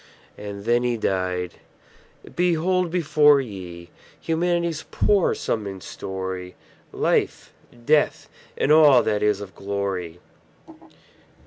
And then he died! Behold before ye Humanity's poor sum and story; Life, Death, and all that is of glory.